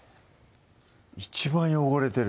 一番汚れてる